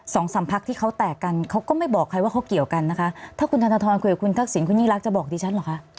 สองสามพักที่เขาแตกกันเขาก็ไม่บอกใครว่าเขาเกี่ยวกันนะคะถ้าคุณธนทรคุยกับคุณทักษิณคุณยิ่งรักจะบอกดิฉันเหรอคะ